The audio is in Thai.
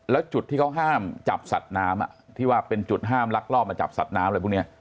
แล้วจุดที่เขาห้ามจับสัตว์น้ำที่ว่าเป็นจุดห้ามลักลอบมาจับสัตว์น้ำอะไรพวกนี้